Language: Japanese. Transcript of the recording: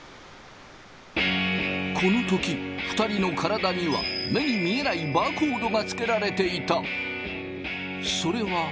この時２人の体には目に見えないバーコードがつけられていた！